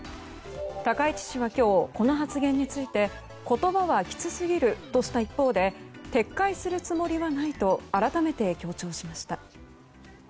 高市氏は今日この発言について言葉はきつすぎるとした一方で撤回するつもりはないと改めて強調しました。